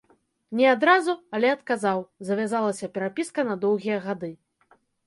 Не адразу, але адказаў, завязалася перапіска на доўгія гады.